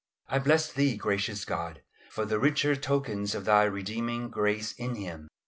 I bless Thee, gracious God, for the richer tokens of Thy redeeming grace in Him.